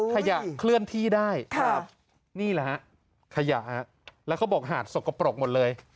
ขยะเคลื่อนที่ได้ครับนี่แหละฮะขยะแล้วเขาบอกหาดสกปรกหมดเลย